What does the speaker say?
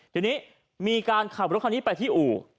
ทีนี้มีการขับรถคันนี้ไปที่อู่